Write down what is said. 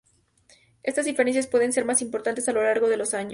Estas diferencias pueden ser más importantes a lo largo de los años.